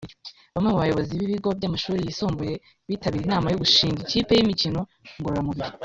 Bamwe mu bayobozi b’ibigo by’amashuri yisumbuye bitabiriye inama yo gushinga ikipe y’imikino ngororamubiri